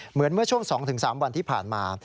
เหมือนเมื่อช่วง๒๓วันที่ผ่านมา